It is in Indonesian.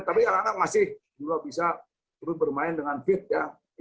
tapi anak anak masih juga bisa terus bermain dengan fit ya